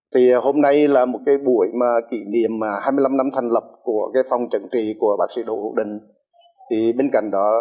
thì hôm nay là một cái buổi kỷ niệm hai mươi năm năm thành lập của phòng trận trì của bác sĩ đỗ hữu định